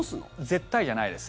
絶対じゃないです。